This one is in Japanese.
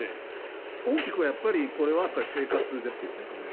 大きくは生活ですよね。